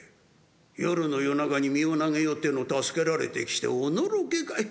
夜の夜中に身を投げようっての助けられてきておのろけかい？」。